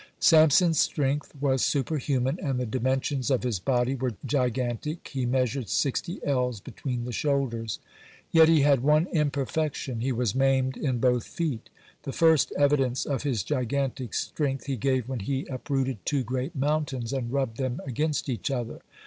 (113) Samson's strength was superhuman, (114) and the dimensions of his body were gigantic he measured sixty ells between the shoulders. Yet he had one imperfection, he was maimed in both feet. (115) The first evidence of his gigantic strength he gave when he uprooted two great mountains, and rubbed them against each other.